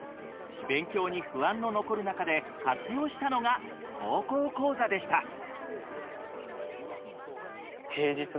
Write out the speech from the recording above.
勉強に不安の残る中で活用したのが「高校講座」でした。